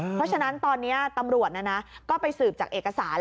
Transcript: เพราะฉะนั้นตอนนี้ตำรวจก็ไปสืบจากเอกสาร